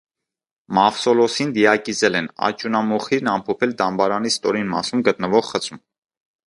Մավսոլոսին դիակիզել են, աճյունամոխիրն ամփոփել դամբարանի ստորին մասում գտնվող խցում։